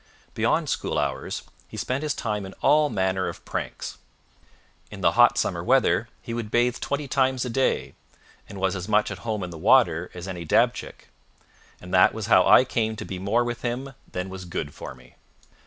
Beyond school hours, he spent his time in all manner of pranks. In the hot summer weather he would bathe twenty times a day, and was as much at home in the water as any dabchick. And that was how I came to be more with him than was good for me.